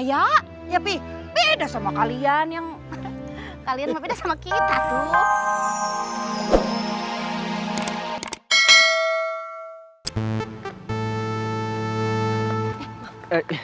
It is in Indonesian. ya tapi beda sama kalian yang beda sama kita tuh